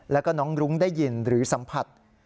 แล้วก็น้องรุ้งได้ยินหรือสัมผัส